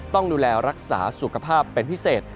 ต้องดูแลรักษาสุขภาพเป็นพิเศษ